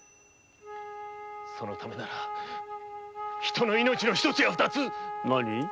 そのためなら人の命の何一つや二つ。